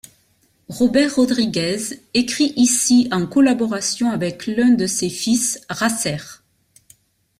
Robert Rodriguez écrit ici en collaboration avec l'un de ses fils, Racer.